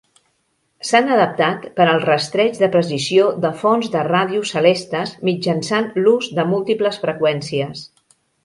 S'han adaptat per al rastreig de precisió de fonts de ràdio celestes mitjançant l'ús de múltiples freqüències.